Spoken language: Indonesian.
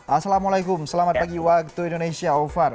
assalamualaikum selamat pagi waktu indonesia ovar